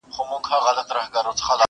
خو یو څوک به دي پر څنګ اخلي ګامونه,